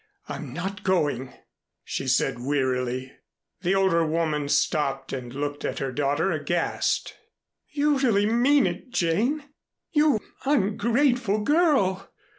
I'm not going," she said wearily. The older woman stopped and looked at her daughter aghast. "You really mean it, Jane! You ungrateful girl!